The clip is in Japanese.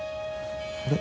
あれ？